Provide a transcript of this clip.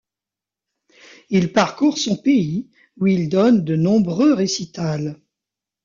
Il parcourt son pays où il donne de nombreux récitals.